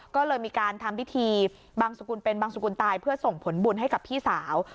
ก็เลยมีการทำพิธีบังสุกุลเป็นบางสกุลตายเพื่อส่งผลบุญให้กับพี่สาว